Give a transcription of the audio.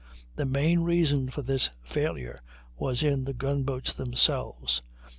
The main reason for this failure was in the gun boats themselves.